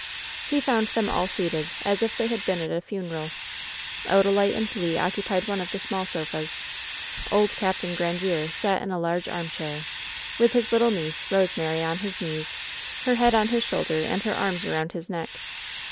He found them all seated as if they had been at a funeral. Odalite and Le occupied one of the small sofas. Old Capt. Grandiere sat in a large armchair, with his little niece, Bosemary, on his knees, her head on his shoulder and her arms around his neck.